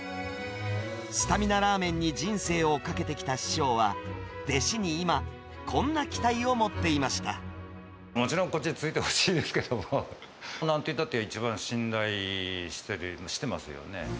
スタミナラーメンに人生をかけてきた師匠は、弟子に今、こんな期もちろん、こっちを継いでほしいですけど、なんて言ったって、一番信頼してますよね。